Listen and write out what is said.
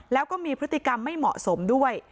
แล้วก็มีพฤติกรรมไม่เหมาะสมด้วย